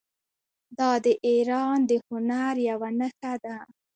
دا د ایران د هنر یوه نښه ده.